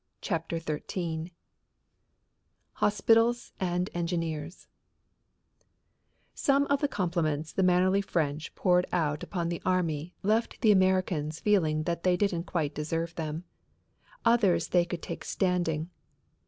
CHAPTER XIII HOSPITALS AND ENGINEERS Some of the compliments the mannerly French poured out upon the army left the Americans feeling that they didn't quite deserve them. Others they could take standing.